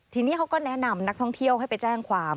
ทีนี้เขาก็แนะนำนักท่องเที่ยวให้ไปแจ้งความ